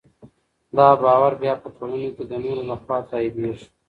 دا باور بیا په ټولنه کې د نورو لخوا تاییدېږي.